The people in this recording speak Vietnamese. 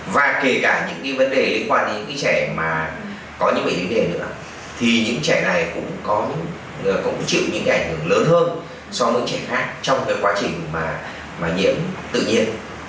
và kể cả những cái vấn đề liên quan đến những cái trẻ mà có những cái biểu hiện này nữa thì những trẻ này cũng chịu những cái ảnh hưởng lớn hơn so với trẻ khác trong cái quá trình mà nhiễm tự nhiên